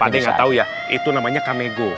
pak deh nggak tahu ya itu namanya kamego